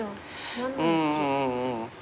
うん。